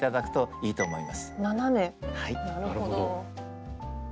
なるほど。